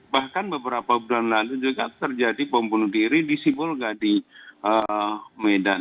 bahkan beberapa bulan lalu juga terjadi bom bunuh diri di sibolga di medan